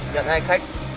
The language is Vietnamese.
nhận hai khách